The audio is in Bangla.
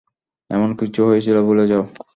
এমন কিছু হয়েছিল ভুলে যাও।